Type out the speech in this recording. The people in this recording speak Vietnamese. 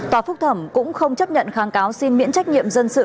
tòa phúc thẩm cũng không chấp nhận kháng cáo xin miễn trách nhiệm dân sự